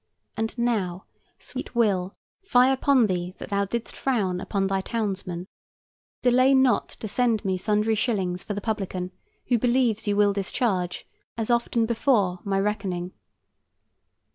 And now, sweet Will, fie upon thee that thou didst frown upon thy townsman. Delay not to send me sundry shillings for the publican, who believes you will discharge, as often before, my reckoning.